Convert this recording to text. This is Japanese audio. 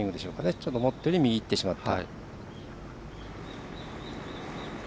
ちょっと思ったより右にいってしまった。